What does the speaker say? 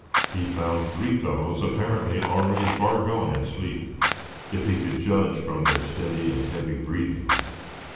He found three fellows apparently already far gone in sleep, if he could judge from their steady and heavy breathing.